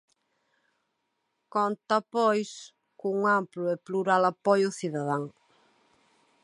Conta pois cun amplo e plural apoio cidadán.